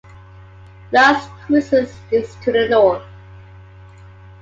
Las Cruces is to the north.